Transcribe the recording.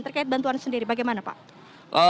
terkait bantuan sendiri bagaimana pak